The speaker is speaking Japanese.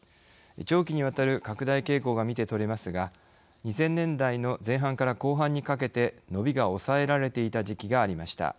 長期にわたる拡大傾向が見て取れますが２０００年代の前半から後半にかけて伸びが抑えられていた時期がありました。